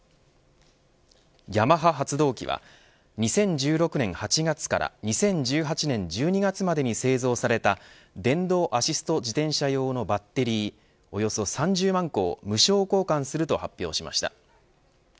ヤマハ発動機は２０１６年８月から２０１８年１２月までに製造された電動アシスト自転車用のバッテリーおよそ３０万個を無償交換すると発表しました。